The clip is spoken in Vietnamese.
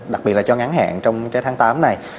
đặc biệt là cho ngắn hạn trong cái tháng tám này